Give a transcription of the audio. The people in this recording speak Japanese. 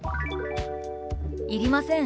「いりません。